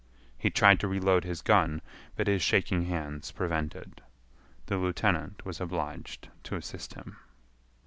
He tried to reload his gun, but his shaking hands prevented. The lieutenant was obliged to assist him.